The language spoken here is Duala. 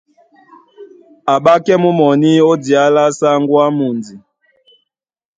A ́ɓákɛ́ mú mɔní ó diá lá sáŋgó á mundi.